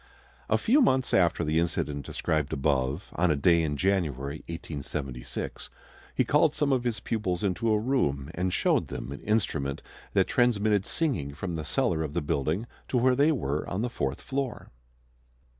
A few months after the incident described above, on a day in January, 1876, he called some of his pupils into a room and showed them an instrument that transmitted singing from the cellar of the building to where they were on the fourth floor.